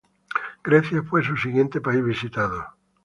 Grecia fue su siguiente país visitado.